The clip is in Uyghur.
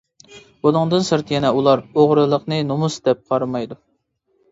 بۇنىڭدىن سىرت يەنە ئۇلار ئوغرىلىقنى نومۇس دەپ قارىمايدۇ.